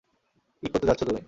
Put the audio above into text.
কী করতে যাচ্ছ তুমি?